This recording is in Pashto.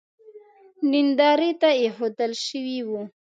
نندارې ته اېښودل شوی و.